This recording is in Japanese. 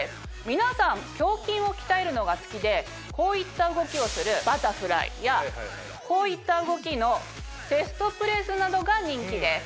皆さん胸筋を鍛えるのが好きでこういった動きをするバタフライやこういった動きのチェストプレスなどが人気です。